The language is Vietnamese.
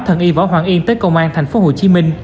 thần y võ hoàng yên tới công an tp hcm